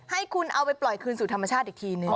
ให้คุณเอาไปปล่อยคืนสู่ธรรมชาติอีกทีนึง